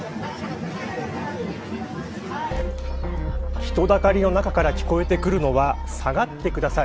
人だかりの中から聞こえてくるのは下がってください。